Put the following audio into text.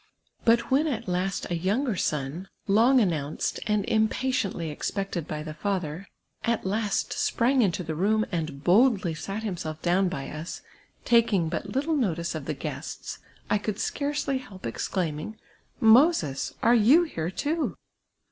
But when at last a younger son, long announced and impatiently expected by the father, at last sprang into the room, and boldly sat himself down by us, taking but little notice of the guests, I coidd scarcely help exclaiming, '* Moses, are you here too